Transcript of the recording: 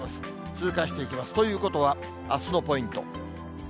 通過していきます、ということは、あすのポイント。